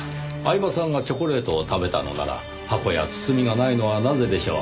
饗庭さんがチョコレートを食べたのなら箱や包みがないのはなぜでしょう？